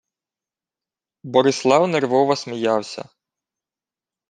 Борислав нервово сміявся: